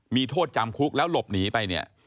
มีโทษจำคลุกแล้วหลบหนีไป